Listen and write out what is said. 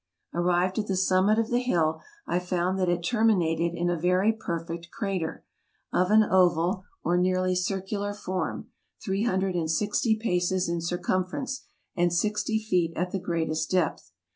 Arrived at the summit of the hill I found that it terminated in a very perfect crater, of an oval, or nearly circular form, three hundred and sixty paces in circumference, and sixty feet at the greatest depth.